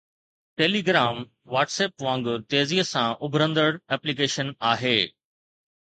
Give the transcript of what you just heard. Telegram WhatsApp وانگر تيزيءَ سان اڀرندڙ ايپليڪيشن آهي